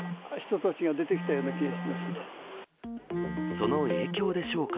その影響でしょうか。